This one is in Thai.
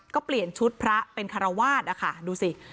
ก็เปลี่ยนชุดพระเป็นคารวาสนะคะดูสิ